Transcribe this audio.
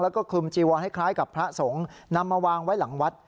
แล้วก็คลุมจีวรให้คล้ายกับพระสงฆ์นำมาวางไว้หลังวัด